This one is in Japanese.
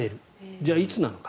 じゃあいつなのか。